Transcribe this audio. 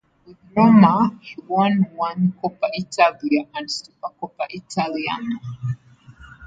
With Roma he won one Coppa Italia and Supercoppa Italiana.